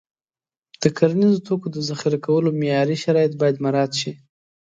د کرنیزو توکو د ذخیره کولو معیاري شرایط باید مراعت شي.